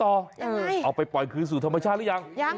ยังไงอย่างไรอย่างไรเอาไปปล่อยคืนสู่ธรรมชาติหรือยัง